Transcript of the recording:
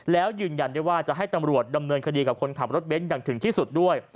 แล้วยืนยันได้ว่าจะให้ตำรวจดำเนินคดีกับคนขับรถเบ้นอย่างถึงที่สุดด้วย